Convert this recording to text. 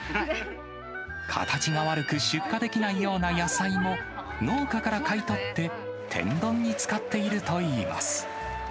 形が悪く出荷できないような野菜も、農家から買い取って、天丼に使っているといいます。